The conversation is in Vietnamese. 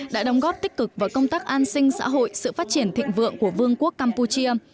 đã đóng góp tích cực vào công tác an sinh xã hội sự phát triển thịnh vượng của vương quốc campuchia